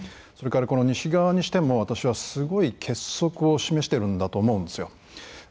それから、西側にしても私はすごい結束を示してるんだと思うんですよ。